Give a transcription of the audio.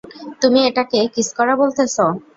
তুমি এটাকে কিস করা বলতেছ?